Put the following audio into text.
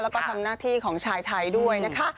แล้วก็ทำหน้าที่ของชายไทยด้วยนะคะ